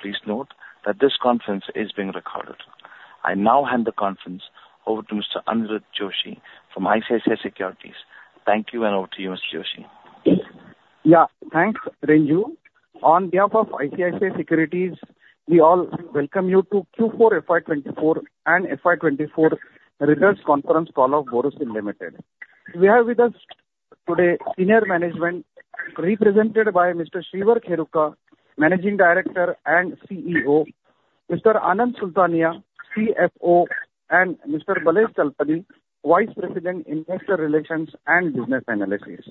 Please note that this conference is being recorded. I now hand the conference over to Mr. Aniruddha Joshi from ICICI Securities. Thank you, and over to you, Mr. Joshi. Yeah, thanks, Renju. On behalf of ICICI Securities, we all welcome you to Q4 FY 2024 and FY 2024 results conference call of Borosil Limited. We have with us today senior management, represented by Mr. Shreevar Kheruka, Managing Director and CEO, Mr. Anand Sultania, CFO, and Mr. Balesh Talapady, Vice President, Investor Relations and Business Analysis.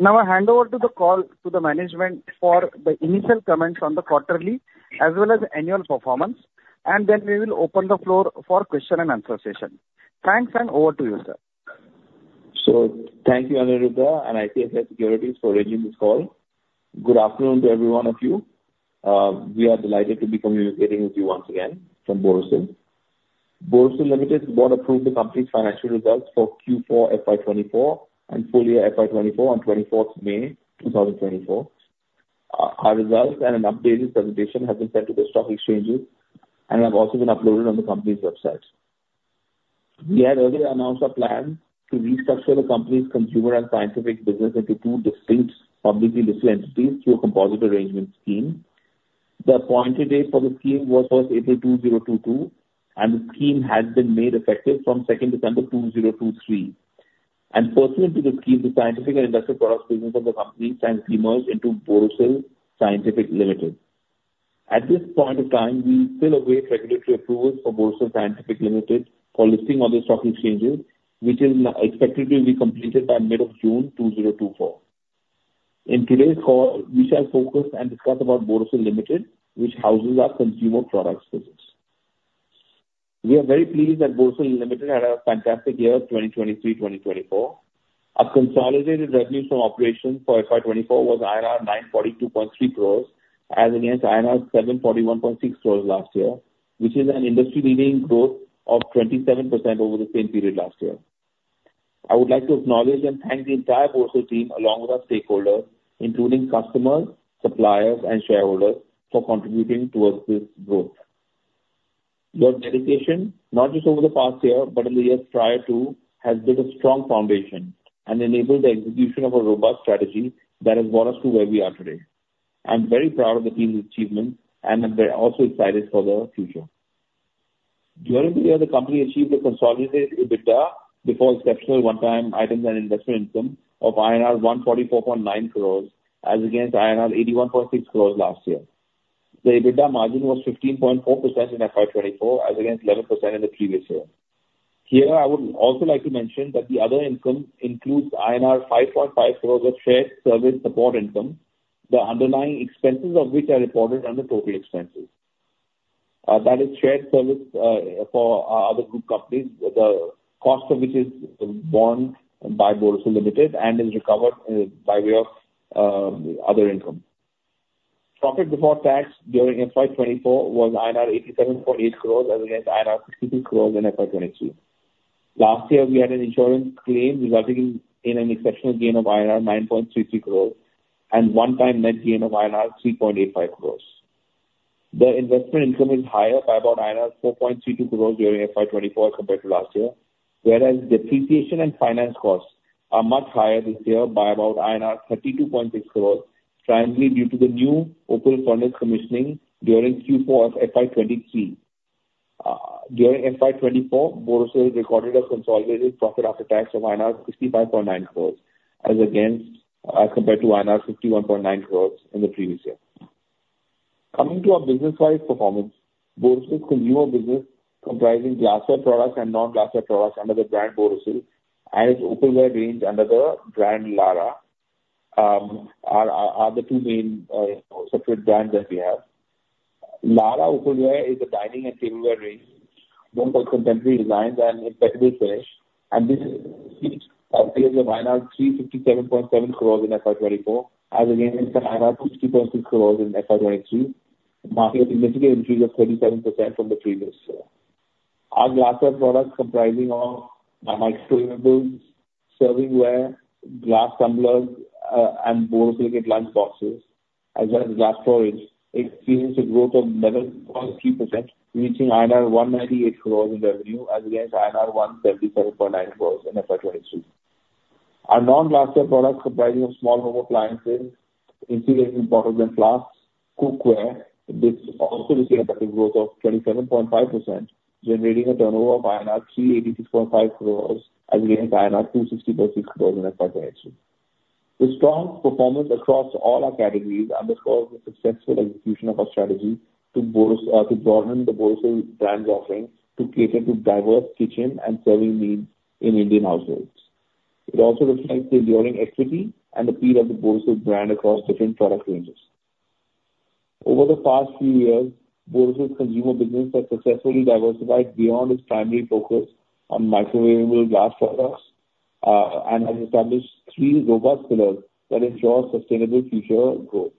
Now, I hand over to the call to the management for the initial comments on the quarterly as well as annual performance, and then we will open the floor for question and answer session. Thanks, and over to you, sir. Thank you, Aniruddha, and ICICI Securities for arranging this call. Good afternoon to every one of you. We are delighted to be communicating with you once again from Borosil. Borosil Limited board approved the company's financial results for Q4 FY 2024 and full-year FY 2024 on 24th of May, 2024. Our results and an updated presentation has been sent to the stock exchanges and have also been uploaded on the company's website. We had earlier announced our plan to restructure the company's consumer and scientific business into two distinct publicly listed entities through a composite arrangement scheme. The appointed date for the scheme was 1st April, 2022, and the scheme has been made effective from 2nd December, 2023. And pursuant to the scheme, the scientific and industrial products business of the company shall emerge into Borosil Scientific Limited. At this point in time, we still await regulatory approvals for Borosil Scientific Limited for listing on the stock exchanges, which is now expected to be completed by middle of June, 2024. In today's call, we shall focus and discuss about Borosil Limited, which houses our consumer products business. We are very pleased that Borosil Limited had a fantastic year, 2023-2024. Our consolidated revenues from operations for FY 2024 was INR 942.3 crores, as against INR 741.6 crores last year, which is an industry-leading growth of 27% over the same period last year. I would like to acknowledge and thank the entire Borosil team, along with our stakeholders, including customers, suppliers, and shareholders, for contributing towards this growth. Your dedication, not just over the past year, but in the years prior, too, has built a strong foundation and enabled the execution of a robust strategy that has brought us to where we are today. I'm very proud of the team's achievements and I'm very also excited for the future. During the year, the company achieved a consolidated EBITDA before exceptional one-time items and investment income of INR 144.9 crores, as against INR 81.6 crores last year. The EBITDA margin was 15.4% in FY 2024, as against 11% in the previous year. Here, I would also like to mention that the other income includes INR 5.5 crores of shared service support income, the underlying expenses of which are reported under total expenses. That is shared service for our other group companies, the cost of which is borne by Borosil Limited and is recovered by way of other income. Profit before tax during FY 2024 was INR 87.8 crores as against INR 62 crores in FY 2022. Last year, we had an insurance claim resulting in an exceptional gain of INR 9.33 crores and one-time net gain of INR 3.85 crores. The investment income is higher by about INR 4.32 crores during FY 2024 compared to last year, whereas depreciation and finance costs are much higher this year by about 32.6 crores, primarily due to the new opal furnace commissioning during Q4 of FY 2023. During FY 2024, Borosil recorded a consolidated profit after tax of INR 65.9 crores, as against, compared to INR 51.9 crores in the previous year. Coming to our business-wide performance, Borosil's consumer business, comprising glassware products and non-glassware products under the brand Borosil, and its opalware range under the brand Lara, are the two main, you know, separate brands that we have. Lara opalware is a dining and tableware range built for contemporary designs and impeccable finish, and this is 357.7 crores in FY 2024, as against 260.6 crores in FY 2022, marking a significant increase of 37% from the previous year. Our glassware products, comprising of microwavables, serving ware, glass tumblers, and Borosil lunch boxes, as well as glass storage, experienced a growth of 11.3%, reaching 198 crores in revenue, as against 137.9 crores in FY 2022. Our non-glassware products, comprising of small home appliances, insulated bottles and flasks, cookware, this also received a better growth of 27.5%, generating a turnover of 386.5 crores as against 260.6 crores in FY 2022. The strong performance across all our categories underscores the successful execution of our strategy to broaden the Borosil brand's offering to cater to diverse kitchen and serving needs in Indian households. It also reflects the enduring equity and appeal of the Borosil brand across different product ranges. Over the past few years, Borosil's consumer business has successfully diversified beyond its primary focus on microwavable glass products, and has established three robust pillars that ensure sustainable future of growth.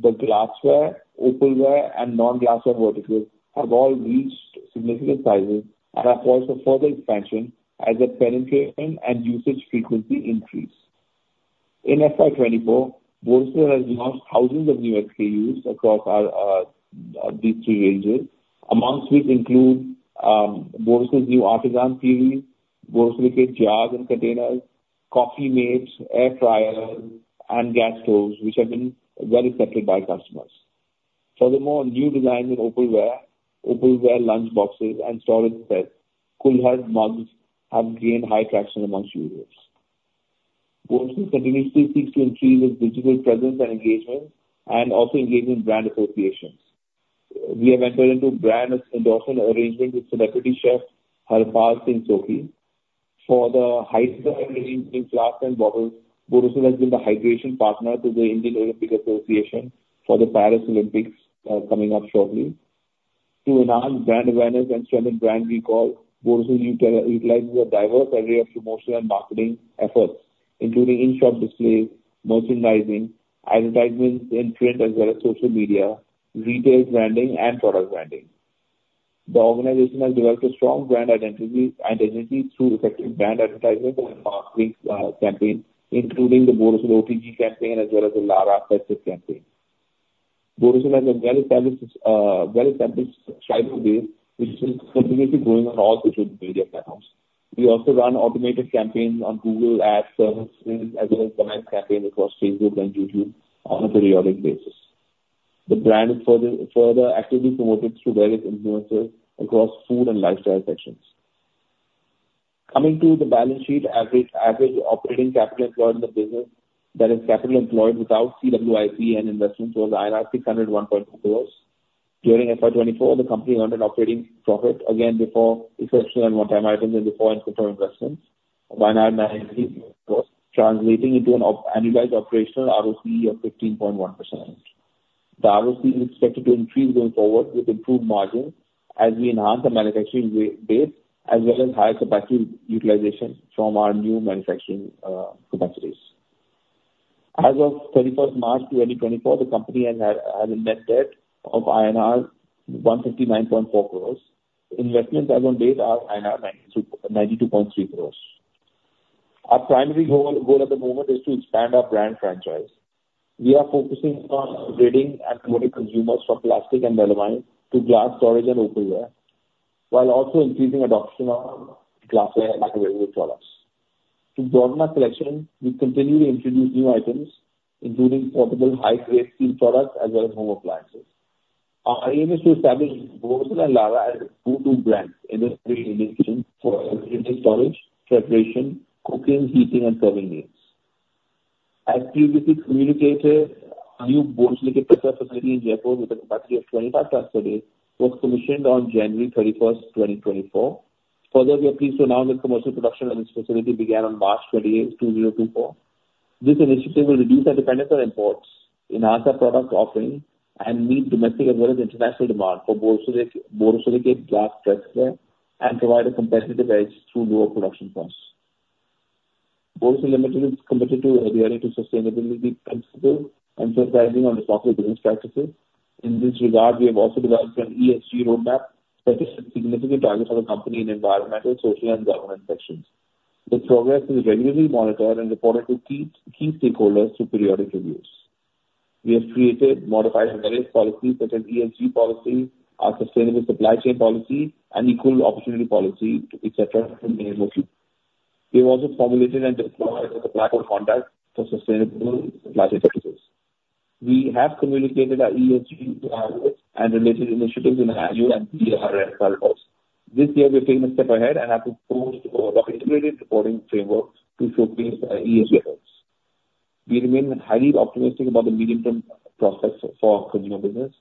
The glassware, opalware, and non-glassware verticals have all reached significant sizes and are poised for further expansion as their penetration and usage frequency increase. In FY 2024, Borosil has launched thousands of new SKUs across our, these three ranges, amongst which include, Borosil's new Artisan Series, Borosilicate jars and containers, Coffeemate, Air Fryers, and Gas Stoves, which have been well accepted by customers. Furthermore, new designs in opalware, opalware lunch boxes and storage sets, Kool Hugs mugs have gained high traction amongst users. Borosil continuously seeks to increase its digital presence and engagement, and also engage in brand associations. We have entered into brand endorsement arrangement with celebrity chef Harpal Singh Sokhi. For the high style range in glass and bottles, Borosil has been the hydration partner to the Indian Olympic Association for the Paris Olympics, coming up shortly. To enhance brand awareness and strengthen brand recall, Borosil utilizes a diverse array of promotional and marketing efforts, including in-shop displays, merchandising, advertisements in print as well as social media, retail branding and product branding. The organization has developed a strong brand identity through effective brand advertisement and marketing campaign, including the Borosil OTG campaign as well as the Lara Dutta campaign. Borosil has a well-established tribal base, which is continuously growing on all digital media platforms. We also run automated campaigns on Google, service stream, as well as campaigns across Facebook and YouTube on a periodic basis. The brand is further actively promoted through various influencers across food and lifestyle sections. Coming to the balance sheet, average operating capital employed in the business, that is, capital employed without CWIP and investments, was 601.4 crores. During FY 2024, the company earned an operating profit again before exceptional and one-time items and before interest investment of INR 93 crores, translating into an annualized operational ROCE of 15.1%. The ROCE is expected to increase going forward with improved margins as we enhance the manufacturing base, as well as higher capacity utilization from our new manufacturing capacities. As of 31st March, 2024, the company has a, has a net debt of INR 159.4 crores. Investments as on date are INR 92.3 crores. Our primary goal, goal at the moment is to expand our brand franchise. We are focusing on upgrading and promoting consumers from plastic and melamine to glass storage and opalware, while also increasing adoption of glassware and cookware products. To broaden our collection, we continue to introduce new items, including portable high-grade steel products as well as home appliances. Our aim is to establish Borosil and Lara as go-to brands in the food industry for food storage, preparation, cooking, heating, and serving needs. As previously communicated, our new borosilicate facility in Jaipur, with a capacity of 25,000 tons, was commissioned on January 31st of 2024. Further, we are pleased to announce that commercial production at this facility began on March 28, 2024. This initiative will reduce our dependence on imports, enhance our product offering, and meet domestic as well as international demand for borosilicate glass cookware and provide a competitive edge through lower production costs. Borosil Limited is committed to adhering to sustainability principles and emphasizing on responsible business practices. In this regard, we have also developed an ESG roadmap that sets significant targets for the company in environmental, social, and governance sections. The progress is regularly monitored and reported to key stakeholders through periodic reviews. We have created and modified various policies, such as ESG policy, our sustainable supply chain policy, and equal opportunity policy, et cetera, to name a few. We have also formulated and deployed a code of conduct for sustainable supply chain practices. We have communicated our ESG goals and related initiatives in our annual and CSR reports. This year, we have taken a step ahead and have proposed an integrated reporting framework to showcase our ESG efforts. We remain highly optimistic about the medium-term prospects for our consumer business.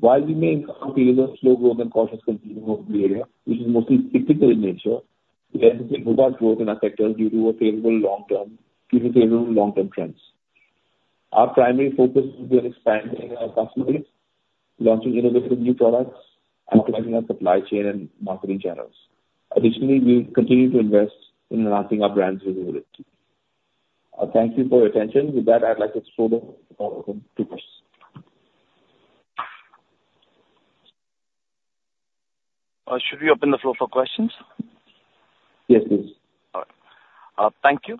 While we may encounter a slow growth and cautious consumer area, which is mostly cyclical in nature, we anticipate robust growth in our sector due to favorable long-term trends. Our primary focus will be on expanding our capacities, launching innovative new products, and optimizing our supply chain and marketing channels. Additionally, we will continue to invest in enhancing our brand visibility. Thank you for your attention. With that, I'd like to open the floor for questions. Should we open the floor for questions? Yes, please. All right. Thank you.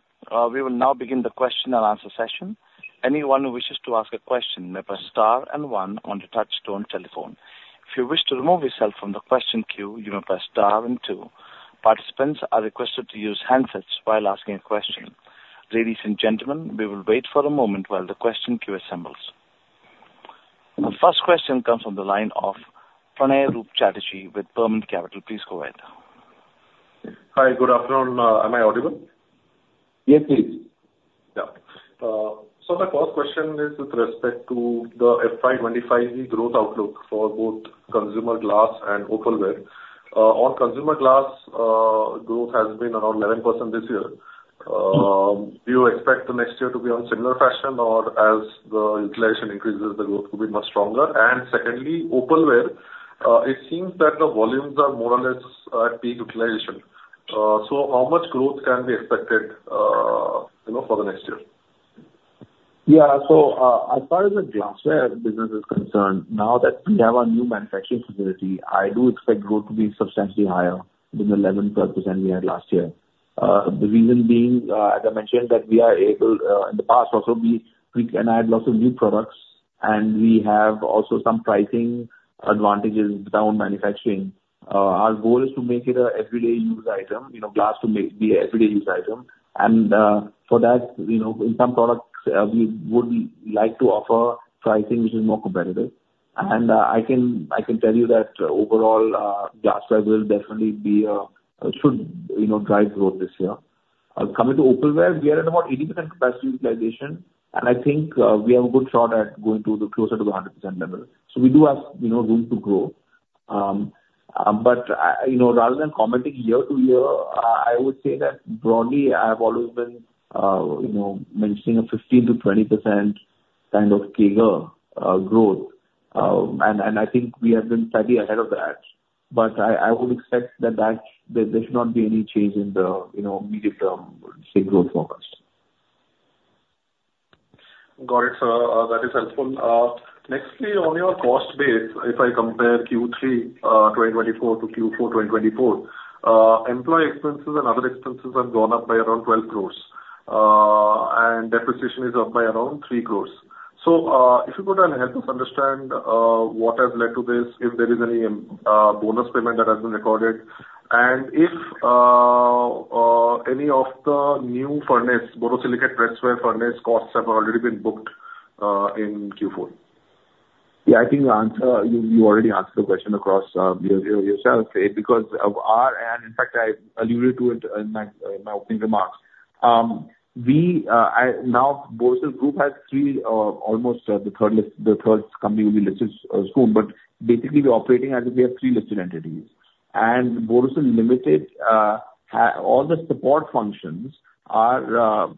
We will now begin the question and answer session. Anyone who wishes to ask a question may press star and one on your touch-tone telephone. If you wish to remove yourself from the question queue, you may press star and two. Participants are requested to use handsets while asking a question. Ladies and gentlemen, we will wait for a moment while the question queue assembles. The first question comes from the line of Pranay Roop Chatterjee with Burman Capital. Please go ahead. Hi, good afternoon. Am I audible? Yes, please. Yeah. So the first question is with respect to the FY 2025 growth outlook for both consumer glass and opalware. On consumer glass, growth has been around 11% this year. Do you expect the next year to be on similar fashion, or as the utilization increases, the growth will be much stronger? And secondly, opalware, it seems that the volumes are more or less at peak utilization. So how much growth can be expected, you know, for the next year? Yeah, so, as far as the glassware business is concerned, now that we have our new manufacturing facility, I do expect growth to be substantially higher than the 11% to 12% we had last year. The reason being, as I mentioned, that we are able, in the past also, we, we can add lots of new products, and we have also some pricing advantages with our own manufacturing. Our goal is to make it a everyday use item, you know, glass to make, be an everyday use item. And, for that, you know, in some products, we would like to offer pricing which is more competitive. And, I can tell you that overall, glassware will definitely be, should, you know, drive growth this year. Coming to Opalware, we are at about 80% capacity utilization, and I think we have a good shot at going to closer to the 100% level. So we do have, you know, room to grow. But, you know, rather than commenting year-to-year, I would say that broadly, I've always been, you know, mentioning a 15% to s20% kind of CAGR growth. And, and I think we have been slightly ahead of that. But I would expect that there should not be any change in the, you know, medium-term, say, growth forecast. Got it, sir. That is helpful. Next thing, on your cost base, if I compare Q3 2024 to Q4 2024, employee expenses and other expenses have gone up by around 12 crores, and depreciation is up by around 3 crores. So, if you could help us understand, what has led to this, if there is any bonus payment that has been recorded, and if any of the new furnace, borosilicate pressware furnace costs have already been booked in Q4? Yeah, I think the answer, you, you already answered the question across yourself. It's because of our, and in fact, I alluded to it in my opening remarks. Now, Borosil Group has three, almost, the third listed, the third company will be listed soon, but basically we're operating as if we have three listed entities. And Borosil Limited has all the support functions are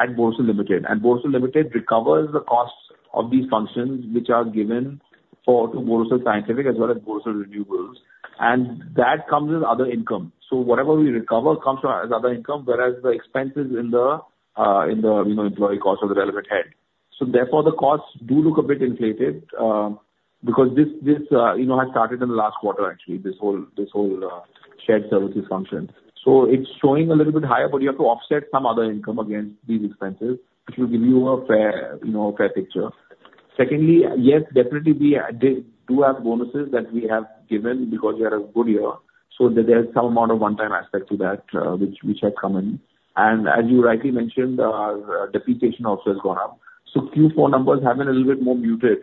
at Borosil Limited, and Borosil Limited recovers the costs of these functions, which are given to Borosil Scientific as well as Borosil Renewables, and that comes as other income. So whatever we recover comes in as other income, whereas the expenses, you know, employee cost of the relevant head. So therefore, the costs do look a bit inflated, because this you know has started in the last quarter, actually, this whole shared services function. So it's showing a little bit higher, but you have to offset some other income against these expenses, which will give you a fair, you know, a fair picture. Secondly, yes, definitely we did have bonuses that we have given because we had a good year, so there is some amount of one-time aspect to that, which had come in. And as you rightly mentioned, depreciation also has gone up. So Q4 numbers have been a little bit more muted,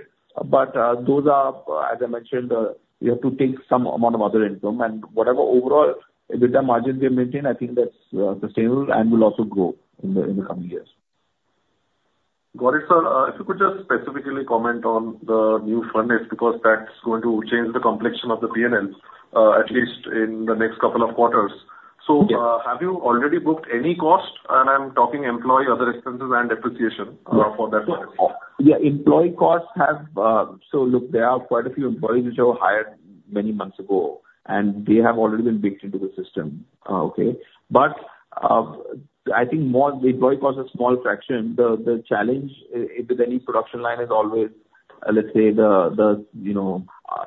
but those are, as I mentioned, you have to take some amount of other income. Whatever overall EBITDA margins we have maintained, I think that's sustainable and will also grow in the coming years. Got it, sir. If you could just specifically comment on the new furnace, because that's going to change the complexion of the P&L, at least in the next couple of quarters. Have you already booked any cost? I'm talking employee, other expenses and depreciation, for that one. Yeah, employee costs have. So look, there are quite a few employees which were hired many months ago, and they have already been baked into the system, okay? But, I think more the employee cost is a small fraction. The challenge with any production line is always, let's say, the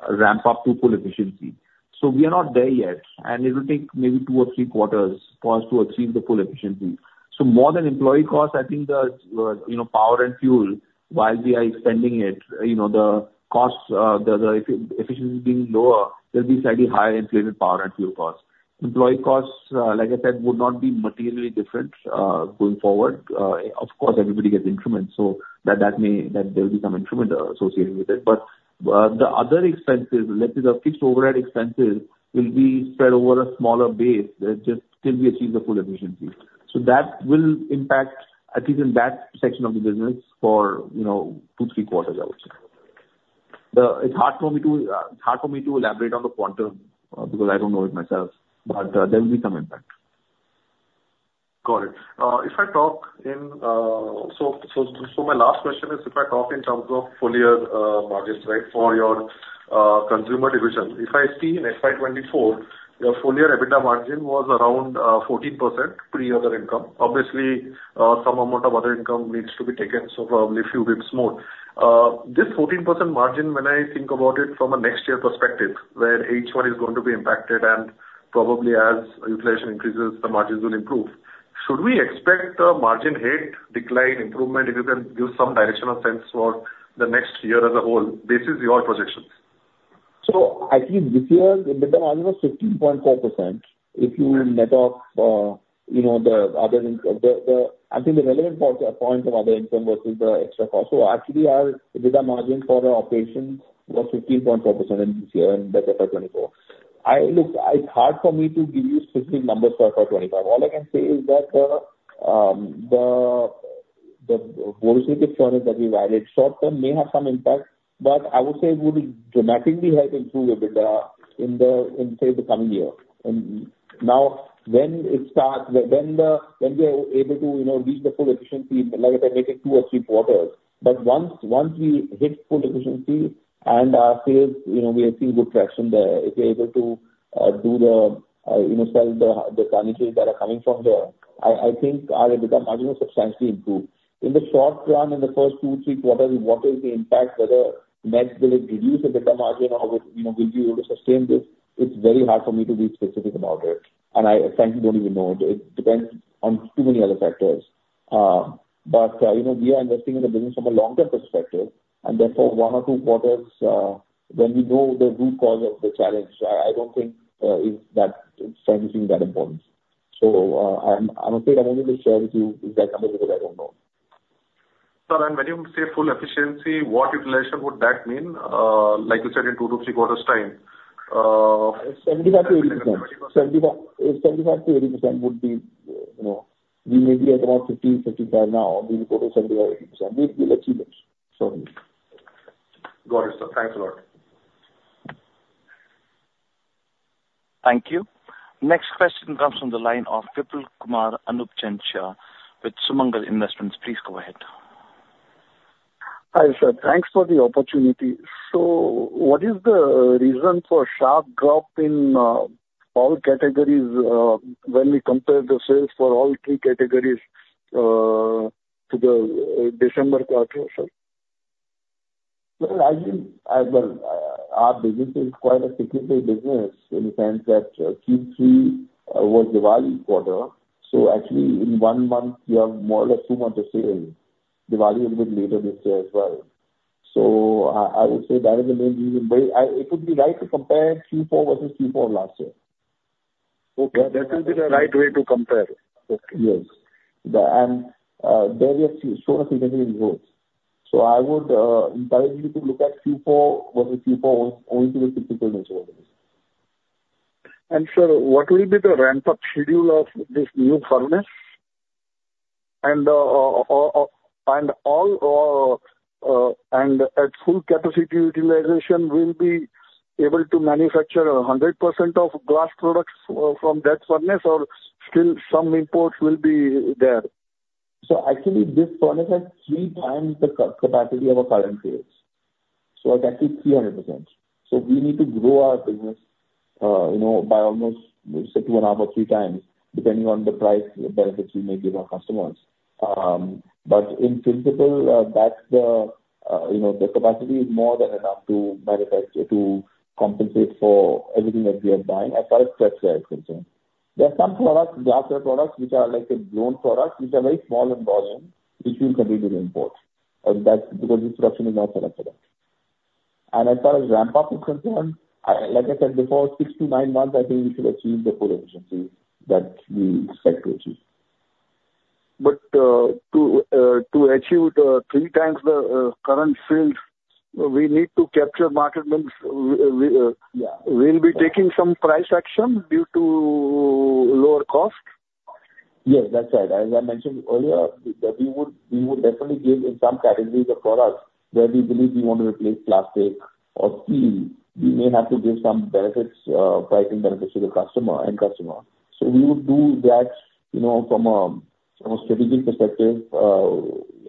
ramp up to full efficiency. So we are not there yet, and it will take maybe two or three quarters for us to achieve the full efficiency. So more than employee costs, I think you know, power and fuel, while we are expanding it, you know, the costs, the efficiency being lower, there'll be slightly higher inflated power and fuel costs. Employee costs, like I said, would not be materially different, going forward. Of course, everybody gets increments, so that, that may, that there will be some increment associated with it. But, the other expenses, let's say the fixed overhead expenses, will be spread over a smaller base that just till we achieve the full efficiency. So that will impact, at least in that section of the business for, you know, two, three quarters, I would say. It's hard for me to elaborate on the quantum, because I don't know it myself, but, there will be some impact. Got it. If I talk in, so my last question is, if I talk in terms of full year, margins, right? For your, consumer division. If I see in FY 2024, your full year EBITDA margin was around, 14% pre other income. Obviously, some amount of other income needs to be taken, so probably a few bits more. This 14% margin, when I think about it from a next year perspective, where H1 is going to be impacted and probably as utilization increases, the margins will improve. Should we expect a margin hit, decline, improvement? If you can give some directional sense for the next year as a whole, based on your projections. So I think this year, the EBITDA margin was 15.4%. If you net off, you know, the other, I think the relevant point, point of other income versus the extra cost. So actually, our EBITDA margin for our operations was 15.4% in this year, in the FY 2024. Look, it's hard for me to give you specific numbers for FY 2025. All I can say is that the borosilicate furnace that we added, short term may have some impact, but I would say it would dramatically help improve EBITDA in the, in, say, the coming year. And now, when it starts, when we are able to, you know, reach the full efficiency, like I take it, two or three quarters. But once we hit full efficiency and our sales, you know, we are seeing good traction there, if we're able to do the, you know, sell the tonnages that are coming from there, I think our EBITDA margin will substantially improve. In the short run, in the first two, three quarters, what is the impact, whether next will it reduce the EBITDA margin or will, you know, we'll be able to sustain this? It's very hard for me to be specific about it, and I frankly don't even know. It depends on too many other factors. But you know, we are investing in the business from a long-term perspective, and therefore, one or two quarters, when we know the root cause of the challenge, I don't think is that, it's anything that important. So, I'm afraid I'm unable to share with you the exact number, because I don't know. Sir, and when you say full efficiency, what utilization would that mean? Like you said, in two to three quarters' time, 75% to 80%. 75%, 75% to 80% would be, you know, we may be at around 50%, 55% now. We'll go to 70% or 80%. So we'll achieve it soon. Got it, sir. Thanks a lot. Thank you. Next question comes from the line of Kapil Kumar Anupchandia with Sumangal Investments. Please go ahead. Hi, sir. Thanks for the opportunity. So what is the reason for sharp drop in all categories, when we compare the sales for all three categories to the December quarter, sir? Well, I think, well, our business is quite a cyclical business, in the sense that, Q3, was Diwali quarter, so actually, in one month, you have more or less two months of sales. Diwali a little bit later this year as well. So I, I would say that is the main reason, but iIt would be right to compare Q4 versus Q4 last year. Okay. That would be the right way to compare. Okay. Yes. There we have seen sort of significant growth. So I would invite you to look at Q4 versus Q4, owing to the cyclical nature of the business. Sir, what will be the ramp-up schedule of this new furnace? And at full capacity utilization, we'll be able to manufacture 100% of glass products from that furnace, or still some imports will be there? Actually, this furnace has three times the capacity of our current sales, so exactly 300%. So we need to grow our business, you know, by almost say, 2.5x or 3x, depending on the price benefits we may give our customers. But in principle, that's the, you know, the capacity is more than enough to manufacture, to compensate for everything that we are buying as far as pressware is concerned. There are some products, glassware products, which are like a blown product, which are very small in volume, which we'll continue to import, and that's because this production is not set up for that. And as far as ramp-up is concerned, like I said before, 6 months to 9 months, I think we should achieve the full efficiency that we expect to achieve. But to achieve 3x the current sales, we need to capture market means, we Yeah. We'll be taking some price action due to lower cost? Yes, that's right. As I mentioned earlier, that we would definitely give in some categories of products, where we believe we want to replace plastic or steel, we may have to give some benefits, pricing benefits to the customer, end customer. So we would do that, you know, from a strategic perspective,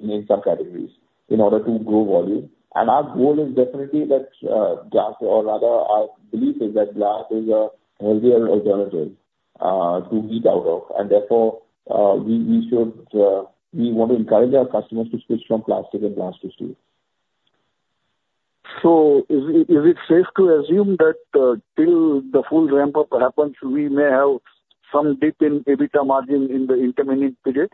in some categories, in order to grow volume. And our goal is definitely that, or rather our belief is that glass is a healthier alternative to eat out of, and therefore, we should, we want to encourage our customers to switch from plastic and glass to steel. Is it safe to assume that until the full ramp-up happens, we may have some dip in EBITDA margin in the intervening period?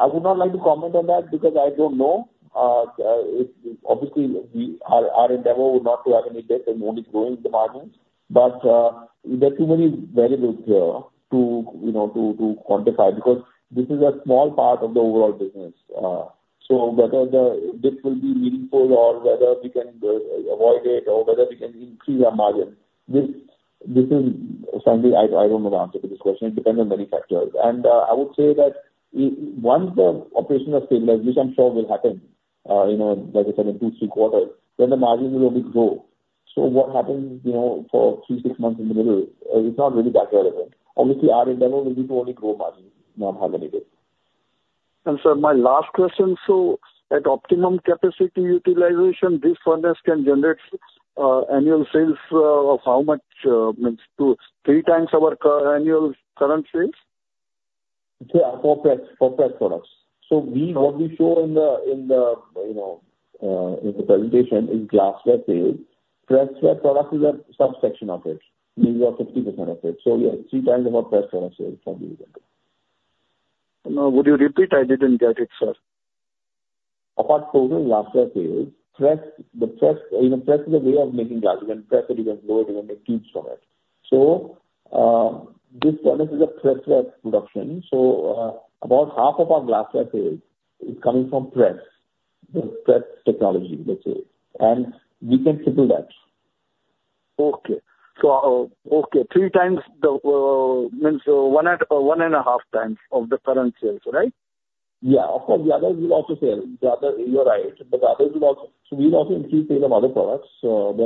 I would not like to comment on that, because I don't know. Obviously, we, our, our endeavor would not to have any debt and only growing the margins, but there are too many variables here to, you know, to quantify, because this is a small part of the overall business. So whether this will be meaningful, or whether we can avoid it, or whether we can increase our margin, this is something I don't know the answer to this question. It depends on many factors. I would say that once the operations are stabilized, which I'm sure will happen, you know, like I said, in two, three quarters, then the margin will only grow. So what happens, you know, for 3 months, 6 months in the middle is not really that relevant. Obviously, our endeavor will be to only grow margin, and not have any debt. And, sir, my last question: So at optimum capacity utilization, this furnace can generate annual sales of how much, means to 3x our annual current sales? Yeah, for pressware, for pressware products. So, what we show in the, in the, you know, in the presentation is glassware sales. Pressware products is a subsection of it, maybe about 50% of it, so, yeah, 3x our pressware products sales can be done. Would you repeat? I didn't get it, sir. Of our total glassware sales, press, the press, you know, press is a way of making glass. You can press it, you can blow it, you can make tubes from it. So, this furnace is a pressware production, so, about half of our glassware sales is coming from press, the press technology, let's say, and we can triple that. Okay. So, 3x the means one at 1.5x of the current sales, right? Yeah. Of course, the others will also sell. The other, you're right. But the others will also, so we will also increase sale of other products, but,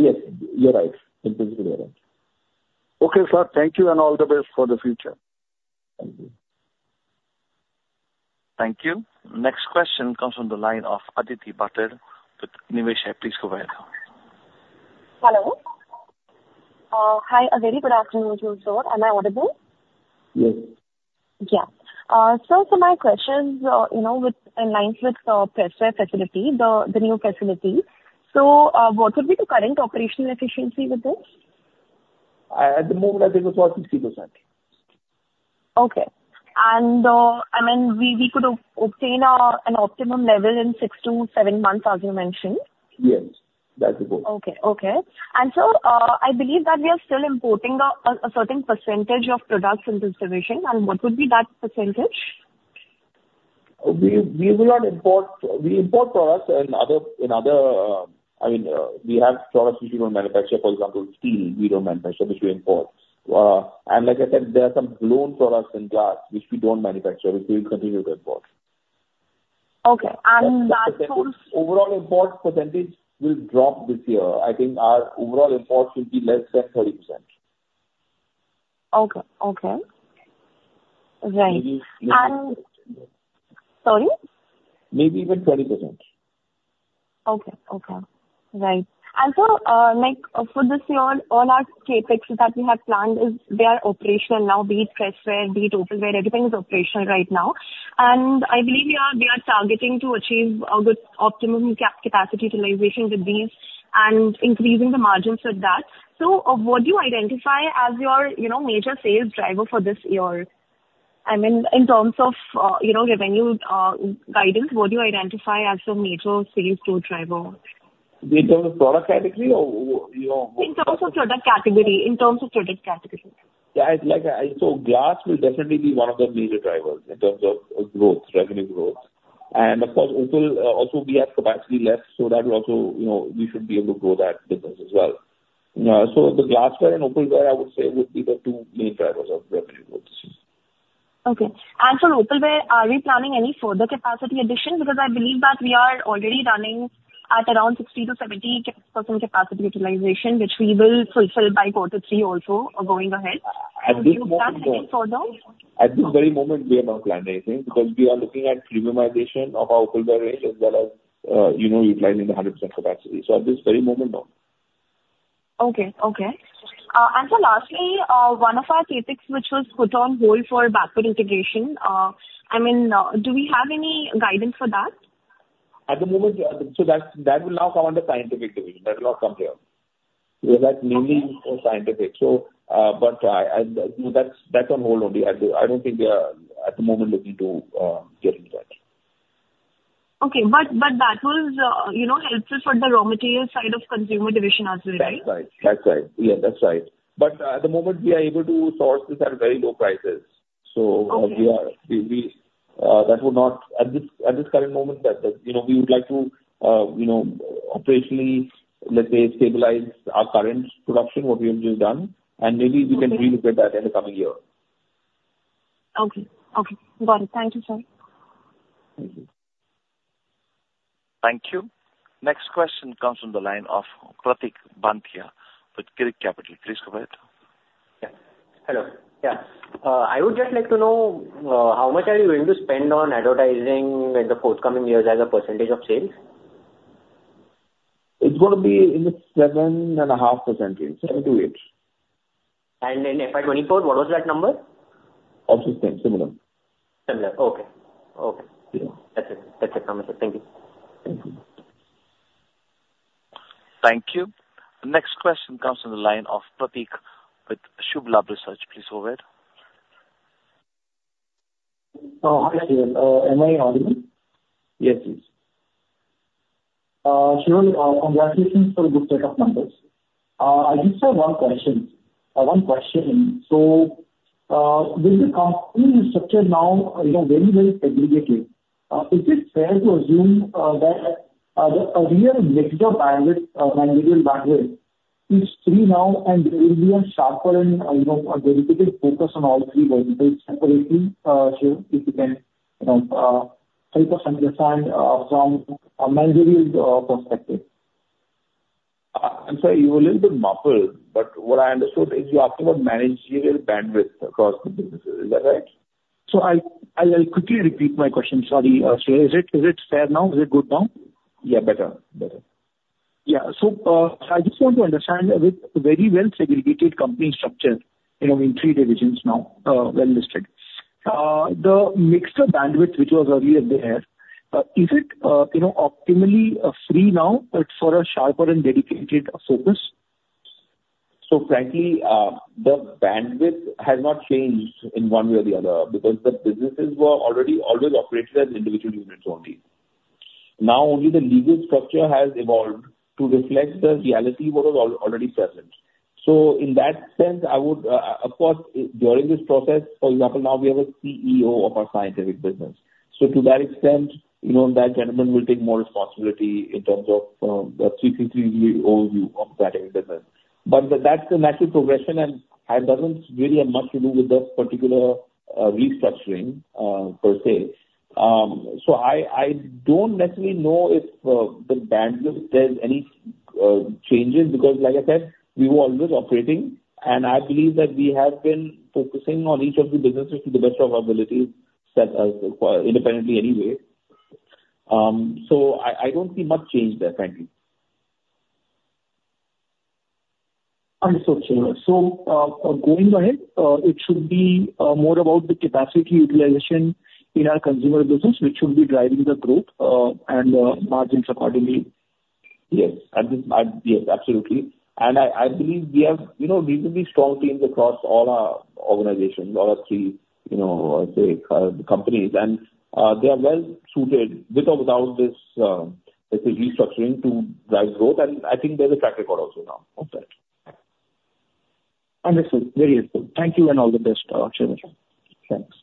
yes, you're right, in principle, you're right. Okay, sir. Thank you, and all the best for the future. Thank you. Thank you. Next question comes from the line of Aditi Bhatter with Niveshaay. Please go ahead. Hello. Hi, a very good afternoon to you, sir. Am I audible? Yes. Yeah. Sir, so my question's, you know, in line with the Pressware facility, the new facility. So, what would be the current operational efficiency with this? At the moment, I think it was about 60%. Okay. And, I mean, we could obtain an optimum level in 6 months to 7 months, as you mentioned? Yes, that's correct. Okay, okay. And so, I believe that we are still importing a certain percentage of products in this division, and what would be that percentage? We will not import. We import products in other categories. I mean, we have products which we don't manufacture. For example, steel, we don't manufacture, which we import. And like I said, there are some blown products in glass which we don't manufacture, which we will continue to import. Okay, and that source? Overall import percentage will drop this year. I think our overall imports will be less than 30%. Okay, okay. Right. Maybe And, sorry? Maybe even 20%. Okay, okay. Right. So, like, for this year, all our CapEx that we had planned is, they are operational now, be it Pressware, be it Opalware, everything is operational right now. And I believe we are, we are targeting to achieve the optimum capacity utilization with these, and increasing the margins with that. So, what do you identify as your, you know, major sales driver for this year? I mean, in terms of, you know, revenue guidance, what do you identify as your major sales growth driver? In terms of product category, or, you know? In terms of product category. Yeah, it's like, so glass will definitely be one of the major drivers in terms of growth, revenue growth. And of course, opal, also we have capacity less, so that will also, you know, we should be able to grow that business as well. So the glassware and opalware, I would say, would be the two main drivers of revenue growth this year. Okay. And for Opalware, are we planning any further capacity addition? Because I believe that we are already running at around 60 to 70 capacity utilization, which we will fulfill by quarter three also, going ahead further. At this very moment, we have not planned anything, because we are looking at premiumization of our opalware range as well as, you know, running at 100% capacity. So at this very moment, no. Okay, okay. And so lastly, one of our CapEx, which was put on hold for backward integration, I mean, do we have any guidance for that? At the moment, that will now come under scientific division. That will not come here, because that's mainly for scientific. So, but you know, that's on hold only. I don't think we are, at the moment, looking to getting that. Okay. But that was, you know, helpful for the raw material side of consumer division as well, right? That's right, that's right. Yeah, that's right. But, at the moment, we are able to source this at very low prices. So, at this current moment, you know, we would like to, you know, operationally, let's say, stabilize our current production, what we have just done, and maybe we can relook at that in the coming year. Okay, okay. Got it. Thank you, sir. Thank you. Thank you. Next question comes from the line of Pratik Banthia with Girik Capital. Please go ahead. Yeah. Hello. Yeah, I would just like to know, how much are you going to spend on advertising in the forthcoming years as a percentage of sales? It's going to be in the 7.5%, 7% to 8%. In FY 2024, what was that number? Also same, similar. Similar. Okay, okay. Yeah. That's it, that's it, thank you. Thank you. Thank you. The next question comes from the line of Pratik with Shubhlaxmi Research. Please go ahead. Hi, Shreevar. Am I audible? Yes, please. Shreevar, congratulations for the good set of numbers. I just have one question, one question. So, with the company structure now, you know, very, very segregated, is it fair to assume, that, the earlier mixture bandwidth, managerial bandwidth is free now, and there will be a sharper and, you know, a dedicated focus on all three verticals separately? Shreevar, if you can, you know, help us understand from a managerial perspective. I'm sorry, you're a little bit muffled, but what I understood is you're asking about managerial bandwidth across the businesses. Is that right? I will quickly repeat my question. Sorry, Shreevar. Is it fair now? Is it good now? Yeah, better. Better. Yeah. So, I just want to understand with very well segregated company structure, you know, in three divisions now, well listed. The mixture of bandwidth, which was earlier there, is it, you know, optimally, free now, but for a sharper and dedicated focus? So frankly, the bandwidth has not changed in one way or the other, because the businesses were already always operated as individual units only. Now, only the legal structure has evolved to reflect the reality what was already present. So in that sense, I would, of course, during this process, for example, now we have a CEO of our scientific business. So to that extent, you know, that gentleman will take more responsibility in terms of the 360 overview of that business. But that's a natural progression and doesn't really have much to do with the particular restructuring per se. So I don't necessarily know if the bandwidth, if there's any changes, because like I said, we were always operating, and I believe that we have been focusing on each of the businesses to the best of our abilities, independently anyway. So I don't see much change there, frankly. Understood, Shreevar. So, going ahead, it should be more about the capacity utilization in our consumer business, which should be driving the growth, and margins accordingly? Yes, I think, yes, absolutely. I believe we have, you know, reasonably strong teams across all our organizations, all our three, you know, I'll say, companies. They are well suited with or without this, let's say, restructuring to drive growth, and I think there's a track record also now of that. Understood. Very useful. Thank you and all the best, Shreevar. Thanks.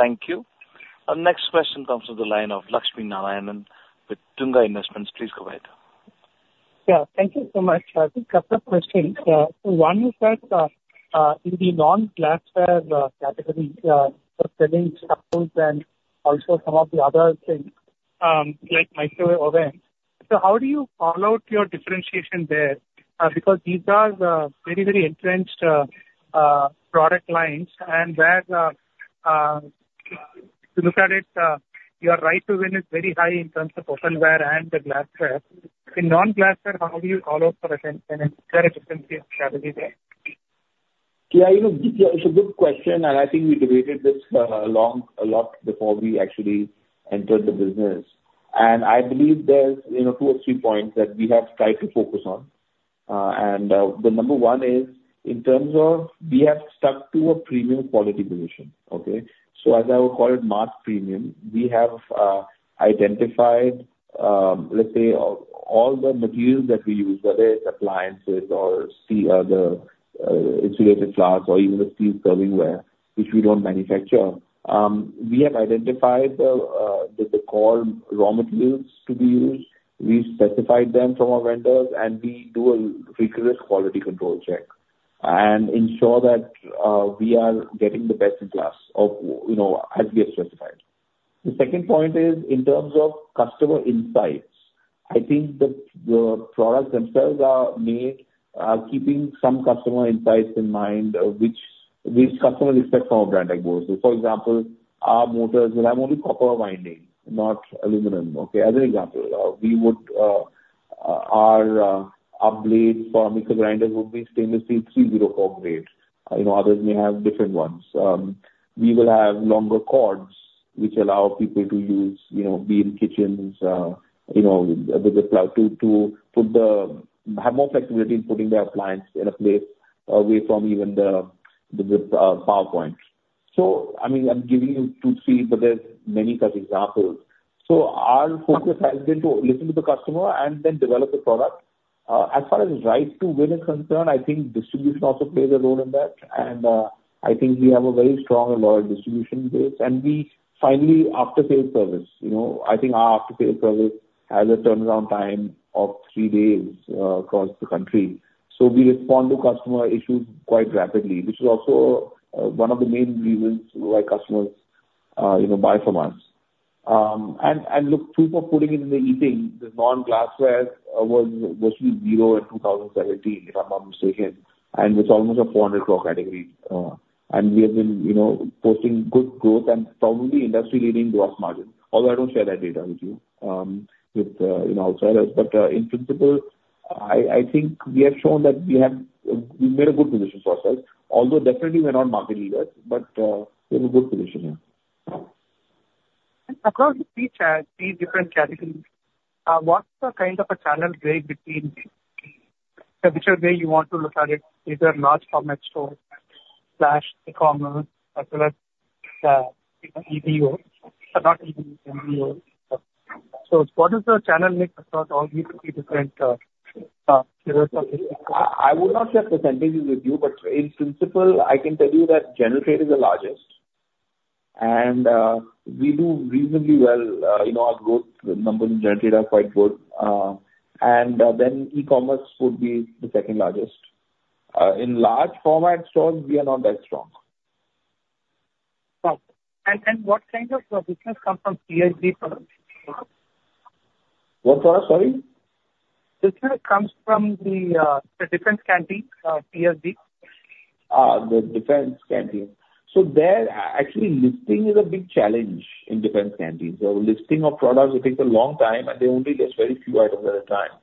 Thank you. Our next question comes from the line of Lakshmi Narayanan with Tunga Investments. Please go ahead. Yeah. Thank you so much. I think couple of questions. So one is that in the non-glassware category, for selling staples and also some of the other things, like microwave ovens, so how do you call out your differentiation there? Because these are very, very entrenched product lines, and whereas, if you look at it, your right to win is very high in terms of personal ware and the glassware. In non-glassware, how do you call out a clear differentiation strategy there? Yeah, you know, it's a good question, and I think we debated this a lot before we actually entered the business. And I believe there's, you know, two or three points that we have tried to focus on. The number one is in terms of we have stuck to a premium quality position. Okay? So as I would call it, market premium, we have identified, let's say, all the materials that we use, whether it's appliances or other insulated flask or even the steel serving ware, which we don't manufacture. We have identified the core raw materials to be used. We specified them from our vendors, and we do a rigorous quality control check and ensure that we are getting the best in class of, you know, as we have specified. The second point is in terms of customer insights. I think the products themselves are made, keeping some customer insights in mind, which customers expect from a brand like Borosil. So for example, our motors will have only copper winding, not aluminum. Okay? As an example, we would, our blades for mixer grinders would be stainless steel 304 grade. You know, others may have different ones. We will have longer cords, which allow people to use, you know, be in kitchens, you know, with the plug to the power points, have more flexibility in putting the appliance in a place away from even the power points. So, I mean, I'm giving you two, three, but there's many such examples. So our focus has been to listen to the customer and then develop the product. As far as right to win is concerned, I think distribution also plays a role in that, and I think we have a very strong and loyal distribution base. And we finally, after-sales service, you know, I think our after-sales service has a turnaround time of three days across the country. So we respond to customer issues quite rapidly, which is also one of the main reasons why customers, you know, buy from us. And look too, for putting it in the eating, the non-glassware was virtually zero in 2017, if I'm not mistaken, and it's almost an 400 crores category. And we have been, you know, posting good growth and probably industry-leading gross margin, although I don't share that data with you, with you know, outsiders. But in principle, I think we have shown that we have made a good position for ourselves, although definitely we're not market leaders, but we have a good position, yeah. Across the three different categories, what's the kind of a channel break between the, whichever way you want to look at it, either large format store/e-commerce, as well as, EBOs, not EB, MBOs. So what is the channel mix across all these three different categories? I would not share the percentages with you, but in principle, I can tell you that general trade is the largest. We do reasonably well. You know, our growth numbers in general trade are quite good. And then e-commerce would be the second largest. In large format stores, we are not that strong. Okay. And what kind of business come from CSDs? What sorry? Business comes from the defense canteen, CSD. The defense canteen. So there, actually, listing is a big challenge in defense canteens. The listing of products will take a long time, and they only list very few items at a time.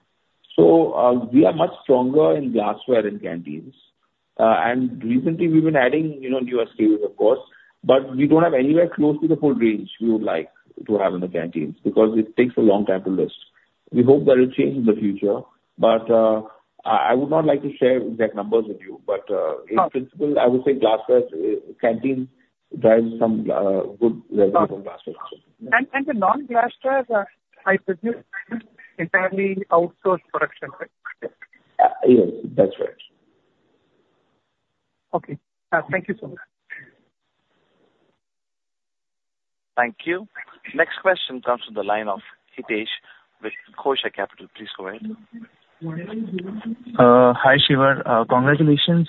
So, we are much stronger in glassware in canteens. And recently we've been adding, you know, new SKUs, of course, but we don't have anywhere close to the full range we would like to have in the canteens, because it takes a long time to list. We hope that will change in the future, but, I would not like to share exact numbers with you. In principle, I would say glassware canteen drives some good wearable glassware. The non-glassware, I presume is entirely outsourced production, right? Yes, that's right. Okay. Thank you so much. Thank you. Next question comes from the line of Hitesh Jain with Kotak Capital. Please go ahead. Hi, Shreevar. Congratulations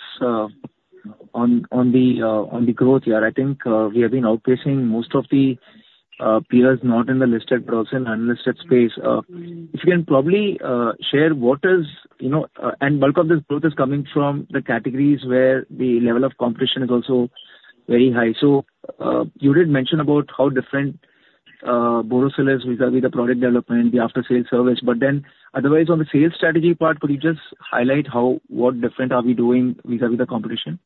on the growth year. I think we have been outpacing most of the peers, not in the listed, but also in unlisted space. If you can probably share what is, you know, and bulk of this growth is coming from the categories where the level of competition is also very high. So, you did mention about how different Borosil is vis-à-vis the product development, the after-sales service. But then, otherwise, on the sales strategy part, could you just highlight how, what different are we doing vis-à-vis the competition?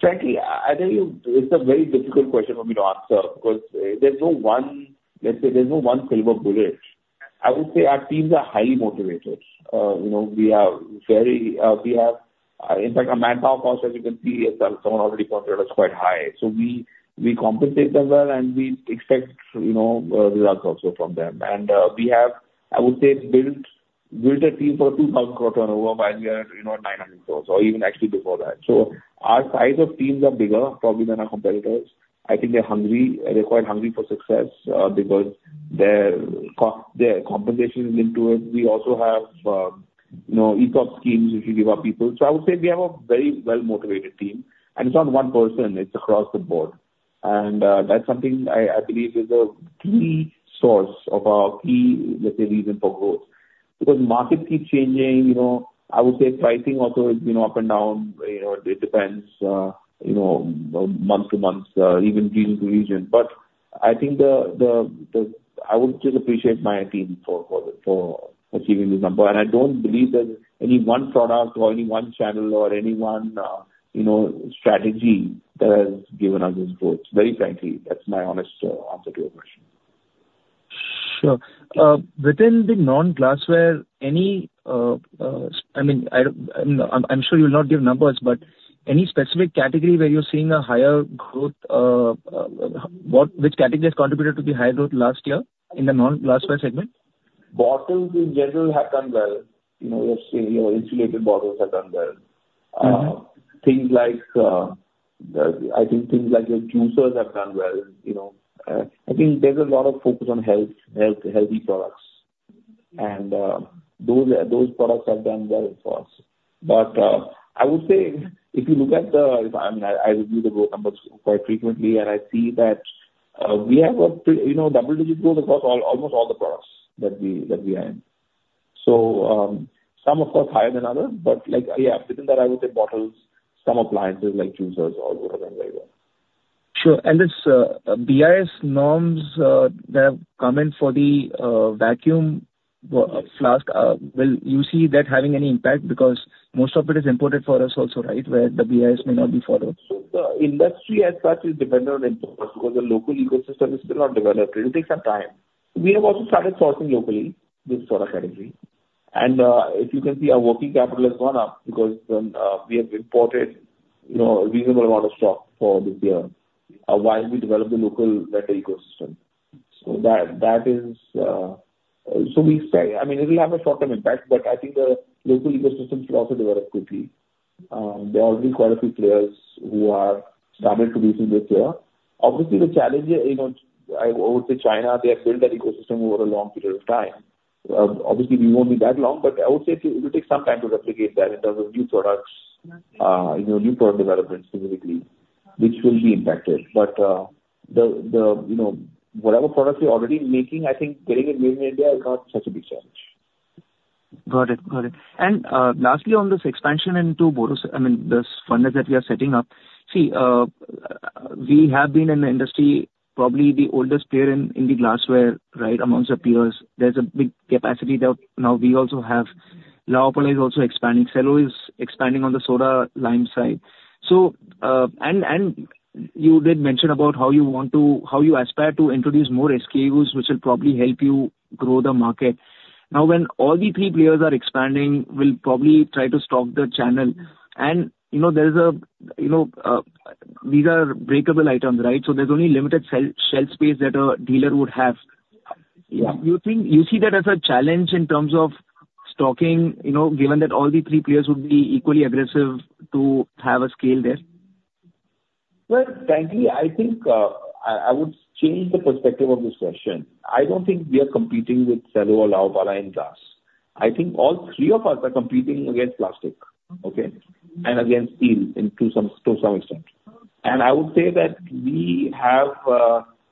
Frankly, I tell you, it's a very difficult question for me to answer because there's no one, let's say, there's no one silver bullet. I would say our teams are highly motivated. You know, we have very, we have, in fact, our manpower cost, as you can see, as someone already pointed out, is quite high. So we compensate them well, and we expect, you know, results also from them. And we have, I would say, built a team for a 2,000 crores turnover, while we are, you know, 900 crores, or even actually before that. So our size of teams are bigger, probably, than our competitors. I think they're hungry, they're quite hungry for success, because their compensation is linked to it. We also have, you know, ESOP schemes, which we give our people. So I would say we have a very well-motivated team, and it's not one person, it's across the board. And, that's something I believe is a key source of our key, let's say, reason for growth. Because markets keep changing, you know. I would say pricing also is, you know, up and down, you know, it depends, you know, month to month, even region to region. But I think I would just appreciate my team for achieving this number. And I don't believe there's any one product or any one channel or any one, you know, strategy that has given us this growth. Very frankly, that's my honest, answer to your question. Sure. Within the non-glassware, any specific category where you're seeing a higher growth? I mean, I'm sure you'll not give numbers, but which categories contributed to the higher growth last year in the non-glassware segment? Bottles in general have done well. You know, let's say, your insulated bottles have done well. Things like, I think things like your juicers have done well, you know. I think there's a lot of focus on health, healthy products. And, those products have done well for us. But, I would say if you look at the, I mean, I review the growth numbers quite frequently, and I see that, we have, you know, double-digit growth across almost all the products that we are in. So, some, of course, higher than others, but like, yeah, within that, I would say bottles, some appliances like juicers, all would have done very well. Sure. And this, BIS norms, that have come in for the vacuum flask, will you see that having any impact? Because most of it is imported for us also, right, where the BIS may not be followed. So the industry as such is dependent on imports, because the local ecosystem is still not developed. It'll take some time. We have also started sourcing locally, this product category. And, if you can see, our working capital has gone up because, we have imported, you know, a reasonable amount of stock for this year, while we develop the local better ecosystem. So that is, so we expect, I mean, it will have a short-term impact, but I think the local ecosystem will also develop quickly. There are already quite a few players who are starting to be in this year. Obviously, the challenge, you know, I would say China, they have built that ecosystem over a long period of time. Obviously, we won't be that long, but I would say it will take some time to replicate that in terms of new products, you know, new product development specifically, which will be impacted. But, you know, whatever products we're already making, I think getting it made in India is not such a big challenge. Got it. Got it. And, lastly, on this expansion into Boros, I mean, this furnace that we are setting up. See, we have been in the industry, probably the oldest player in the glassware, right, amongst our peers. There's a big capacity that now we also have. La Opala is also expanding. Cello is expanding on the soda lime side. So, and, you did mention about how you want to, how you aspire to introduce more SKUs, which will probably help you grow the market. Now, when all the three players are expanding, we'll probably try to stock the channel. And, you know, there's a, you know, these are breakable items, right? So there's only limited shelf space that a dealer would have. Yeah. You think, you see that as a challenge in terms of stocking, you know, given that all the three players would be equally aggressive to have a scale there? Well, frankly, I think, I would change the perspective of this question. I don't think we are competing with Cello or La Opala in glass. I think all three of us are competing against plastic, okay? And against steel, in to some, to some extent. And I would say that we have,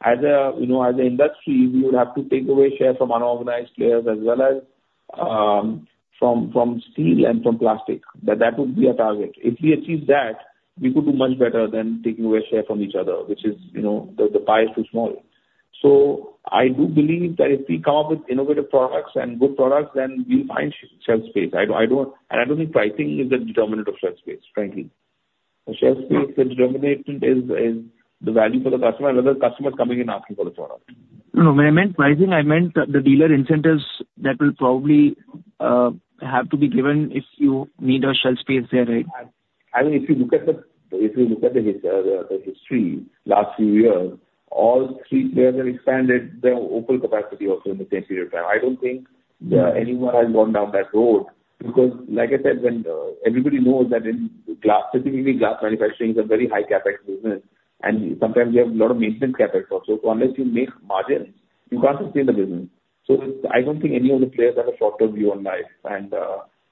as a, you know, as an industry, we would have to take away share from unorganized players as well as, from steel and from plastic. That, that would be our target. If we achieve that, we could do much better than taking away share from each other, which is, you know, the, the pie is too small. So I do believe that if we come up with innovative products and good products, then we'll find shelf space. And I don't think pricing is the determinant of shelf space, frankly. The shelf space, the determinant is the value for the customer and other customers coming and asking for the product. No, when I meant pricing, I meant the dealer incentives that will probably have to be given if you need a shelf space there, right? I mean, if you look at the history, last few years, all three players have expanded their overall capacity also in the same period of time. I don't think anyone has gone down that road, because, like I said, when everybody knows that in glass, specifically glass manufacturing, is a very high CapEx business, and sometimes you have a lot of maintenance CapEx also. So unless you make margins, you can't sustain the business. So I don't think any of the players have a short-term view on life. And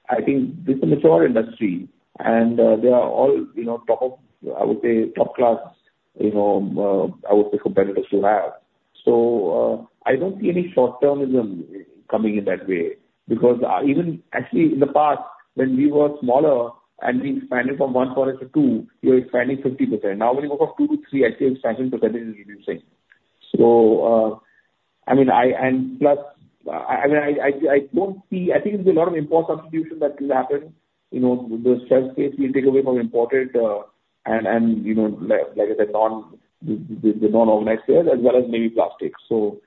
I think this is a mature industry, and they are all, you know, top, I would say, top class, you know, I would say, competitors you have. So I don't see any short-termism in coming in that way, because even actually in the past, when we were smaller and we expanded from one floor to two, we were expanding 50%. Now when we go from two to three, actually expansion percentage is reducing. So, I mean, I don't see. I think there's a lot of import substitution that will happen, you know, the sales case will take away from imported, and you know, like the non-organized sales as well as maybe plastic. So,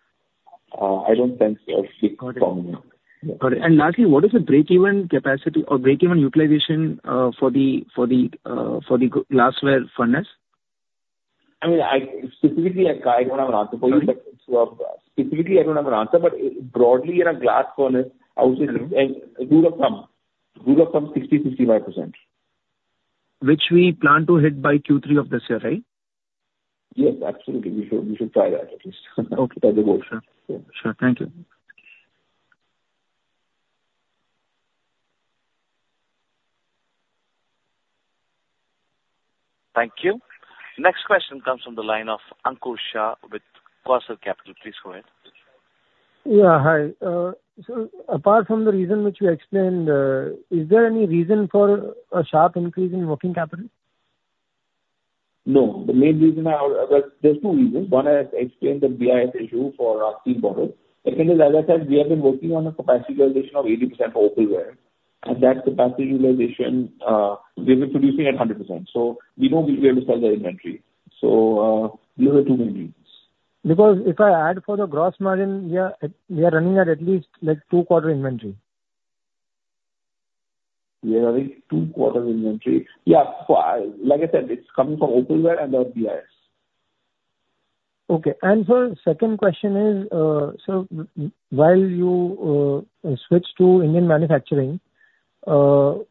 I don't think a big problem. Got it. And lastly, what is the break even capacity or break even utilization for the glassware furnace? I mean, I specifically don't have an answer for you. Specifically, I don't have an answer, but broadly in a glass furnace, I would say, rule of thumb, 60%-65%. Which we plan to hit by Q3 of this year, right? Yes, absolutely. We should, we should try that at least. Try the goal. Sure. Sure. Thank you. Thank you. Next question comes from the line of Ankush Shah with Kesar Capital. Please go ahead. Yeah, hi. So apart from the reason which you explained, is there any reason for a sharp increase in working capital? No, the main reason I would, well, there are two reasons. One, I explained the BIS issue for our steel bottles. Secondly, as I said, we have been working on a capacity utilization of 80% for opalware. At that capacity utilization, we've been producing at 100%, so we know we'll be able to sell the inventory. So, those are two main reasons. Because if I add for the gross margin, we are running at least, like, two quarter inventory. We are running two quarter inventory. Yeah, so I, like I said, it's coming from opalware and the BIS. Okay. And sir, second question is, so while you switch to Indian manufacturing, what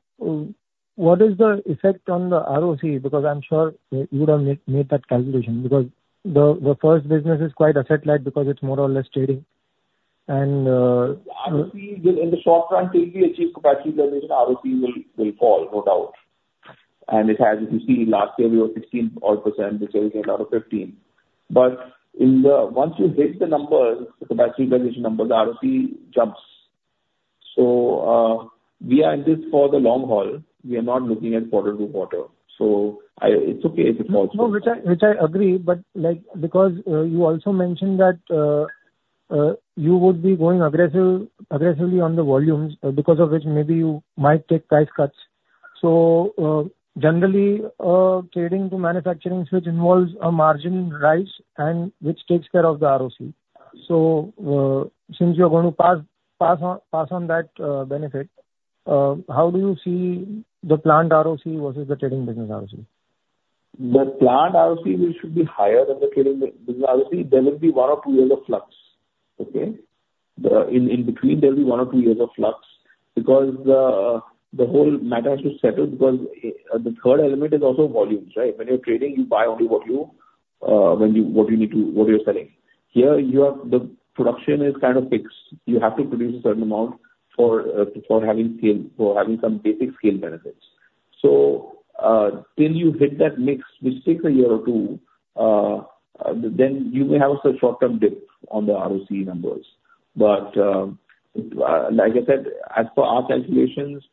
is the effect on the ROC? Because I'm sure you would have made that calculation, because the first business is quite asset-light, because it's more or less trading. ROC, in the short run, until we achieve capacity utilization, ROC will fall, no doubt. And it has, you can see last year we were 16 odd percent, this year we came out of 15%. But once you hit the numbers, the capacity utilization numbers, the ROC jumps. So, we are in this for the long haul. We are not looking at quarter to quarter, so it's okay if it falls. No, which I agree, but like, because you also mentioned that you would be going aggressively on the volumes, because of which maybe you might take price cuts. So, generally, trading to manufacturing, which involves a margin rise and which takes care of the ROC. So, since you're going to pass on that benefit, how do you see the plant ROC versus the trading business in ROC? The plant ROC should be higher than the trading business. Obviously, there will be one or two years of flux. Okay? The in-between, there'll be one or two years of flux, because the whole matter has to settle, because the third element is also volumes, right? When you're trading, you buy only what you, when you, what you need to, what you're selling. Here, you are, the production is kind of fixed. You have to produce a certain amount for having scale, for having some basic scale benefits. So, until you hit that mix, which takes a year or two, then you may have a short-term dip on the ROC numbers. But, like I said, as per our calculations,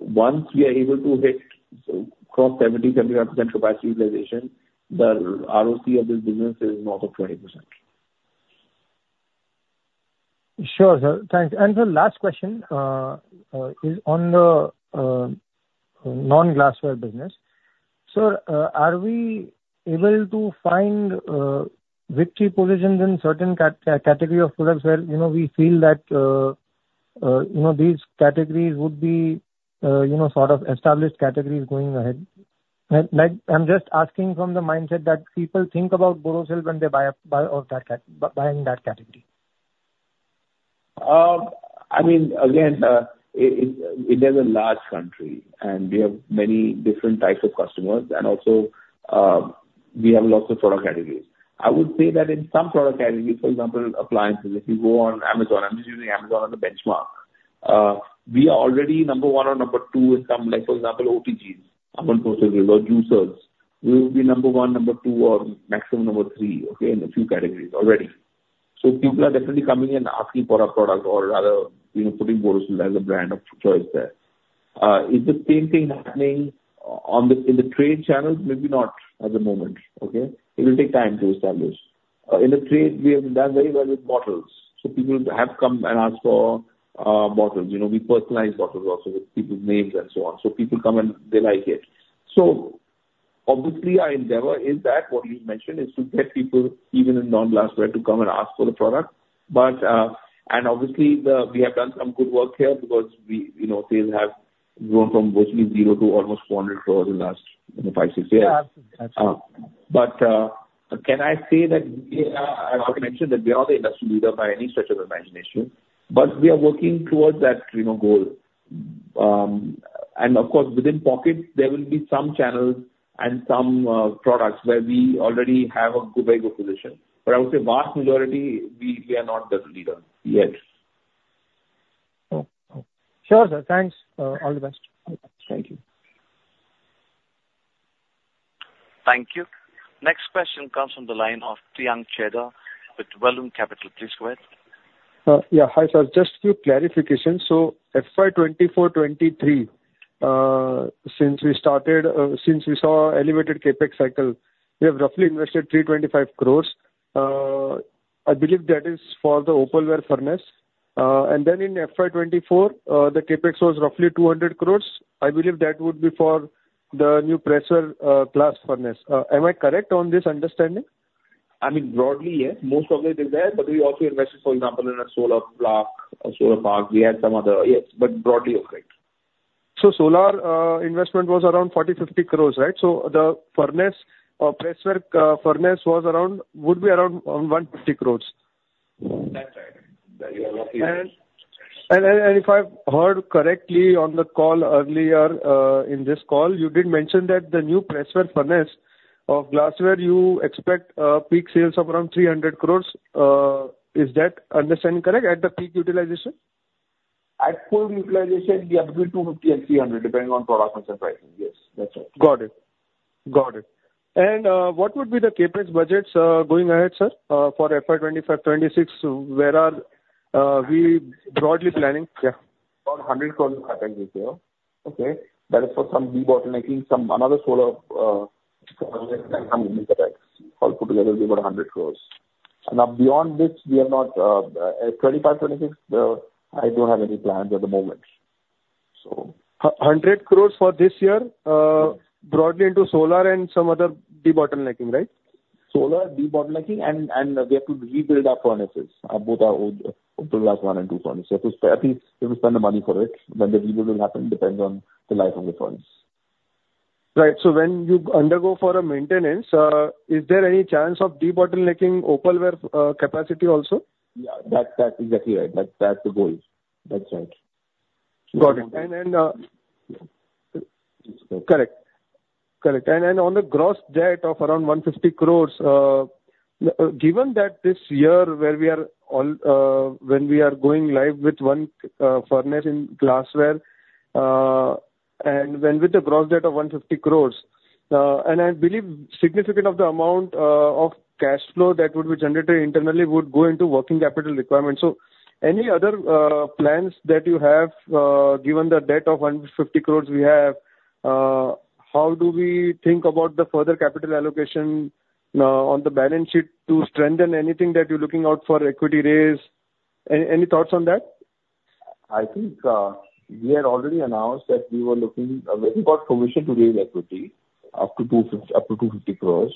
once we are able to hit 70% capacity utilization, the ROCE of this business is north of 20%. Sure, sir. Thanks. And sir, last question is on the non-glassware business. Sir, are we able to find victory positions in certain category of products where, you know, we feel that, you know, these categories would be, you know, sort of established categories going ahead? Like, I'm just asking from the mindset that people think about Borosil when they buy in that category. I mean, again, India is a large country, and we have many different types of customers, and also, we have lots of product categories. I would say that in some product categories, for example, appliances, if you go on Amazon, I'm just using Amazon as a benchmark, we are already number one or number two in some, like, for example, OTGs, oven processors or juicers. We will be number one, number two, or maximum number three, okay, in the three categories already. So people are definitely coming in and asking for our product or rather, you know, putting Borosil as a brand of choice there. Is the same thing happening on the, in the trade channels? Maybe not at the moment, okay? It will take time to establish. In the trade, we have done very well with bottles, so people have come and asked for bottles. You know, we personalize bottles also with people's names and so on, so people come and they like it. So obviously our endeavor is that what you mentioned, is to get people, even in non-glassware, to come and ask for the product. But, and obviously, the, we have done some good work here because we, you know, sales have grown from virtually zero to almost 400 crores in the last five, six years. Yeah, absolutely. But, can I say that I mentioned that we are the industry leader by any stretch of imagination, but we are working towards that, you know, goal. And of course, within pockets, there will be some channels and some products where we already have a very good position. But I would say vast majority, we are not the leader yet. Oh, oh. Sure, sir. Thanks. All the best. Thank you. Thank you. Next question comes from the line of Priyank Chheda with Vallum Capital. Please go ahead. Yeah. Hi, sir, just few clarifications. FY 2024, 2023, since we started, since we saw elevated CapEx cycle, we have roughly invested 325 crores. I believe that is for the opalware furnace. Then in FY 2024, the CapEx was roughly 200 crores. I believe that would be for the new pressware glass furnace. Am I correct on this understanding? I mean, broadly, yes, most of it is there, but we also invested, for example, in a solar plant, a solar park. We had some other, yes, but broadly, you're correct. So solar investment was around 40 crores to 50 crores, right? So the furnace, pressware, furnace was around would be around 150 crores. That's right. That you are roughly correct. If I've heard correctly on the call earlier, in this call, you did mention that the new pressware furnace of glassware, you expect peak sales of around 300 crores. Is that understanding correct, at the peak utilization? At full utilization, yeah, between 250 crores and 300 crores, depending on product mix and pricing. Yes, that's right. Got it. Got it. And what would be the CapEx budgets going ahead, sir, for FY 2025, FY 2026? Where are we broadly planning? Yeah. About 100 crores CapEx this year. Okay. That is for some debottlenecking, some another solar, all put together will be about 100 crores. Now, beyond this, we are not, 2025, 2026, I don't have any plans at the moment, so. 100 crores for this year, broadly into solar and some other debottlenecking, right? Solar, debottlenecking, and we have to rebuild our furnaces. Both our old opal glass one and two furnace. So at least we will spend the money for it, but the rebuild will happen depends on the life of the furnace. Right. So when you undergo for a maintenance, is there any chance of debottlenecking opalware capacity also? Yeah, that, that's exactly right. That's the goal. That's right. Got it. And, it's correct. Correct. Correct. And on the gross debt of around 150 crores, given that this year, when we are going live with one furnace in glassware, and with the gross debt of 150 crores, and I believe significant amount of the cash flow that would be generated internally would go into working capital requirements. So any other plans that you have, given the debt of 150 crores we have, how do we think about the further capital allocation on the balance sheet to strengthen anything that you're looking out for equity raise? Any thoughts on that? I think, we had already announced that we were looking, we've got permission to raise equity up to 250 crores.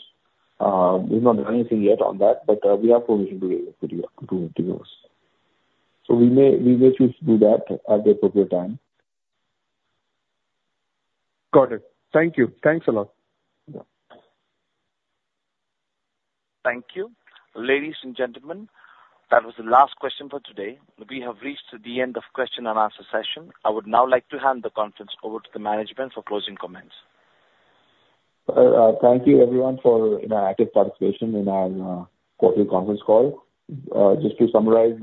We've not done anything yet on that, but, we have permission to raise equity up to 250 crores. So we may, we may choose to do that at the appropriate time. Got it. Thank you. Thanks a lot. Yeah. Thank you. Ladies and gentlemen, that was the last question for today. We have reached the end of question and answer session. I would now like to hand the conference over to the management for closing comments. Thank you, everyone for, you know, active participation in our quarterly conference call. Just to summarize,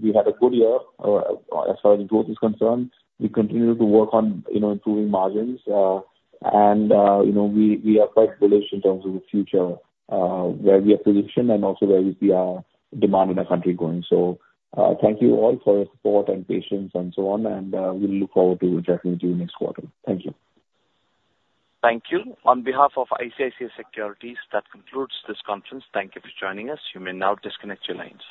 we had a good year as far as growth is concerned. We continue to work on you know, improving margins. And you know, we are quite bullish in terms of the future where we are positioned and also where we see our demand in the country going. So thank you all for your support and patience and so on, and we look forward to interacting with you next quarter. Thank you. Thank you. On behalf of ICICI Securities, that concludes this conference. Thank you for joining us. You may now disconnect your lines.